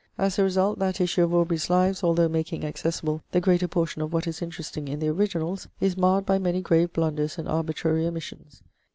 As a result, that issue of Aubrey's Lives, although making accessible the greater portion of what is interesting in the originals, is marred by many grave blunders and arbitrary omissions.